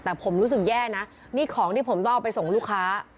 แต่ผมรู้สึกแย่นะนี่ของที่ผมต้องเอาไปส่งลูกค้า